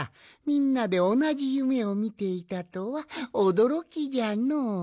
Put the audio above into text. みんなでおなじゆめをみていたとはおどろきじゃの。